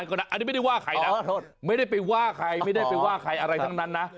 ลุงขี้เมา